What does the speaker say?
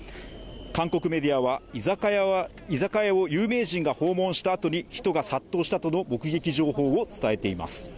韓国メディアは居酒屋を有名人が訪問したあとに人が殺到したとの目撃情報を伝えています。